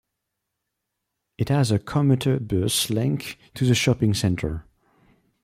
It has a commuter bus link to the shopping centre.